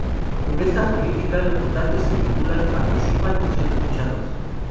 Con esta política los votantes se vinculan, participan y son escuchados.